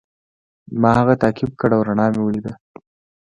ما هغه تعقیب کړ او رڼا مې ولیده.